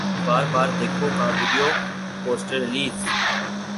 بار بار دیکھو کا ویڈیو پوسٹر ریلیز